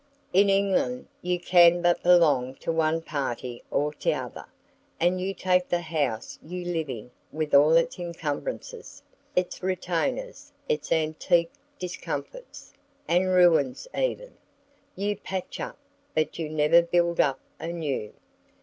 In England you can but belong to one party or t'other, and you take the house you live in with all its encumbrances, its retainers, its antique discomforts, and ruins even; you patch up, but you never build up anew.